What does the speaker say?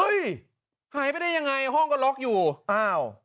เอามาไอ้พวกเนี้ยหายเฮ้ยหายไปได้ยังไงห้องก็ล็อกอยู่อ้าว